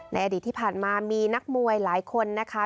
อดีตที่ผ่านมามีนักมวยหลายคนนะคะ